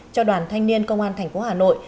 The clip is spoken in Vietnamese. cho đoàn thanh niên công an tp hà nội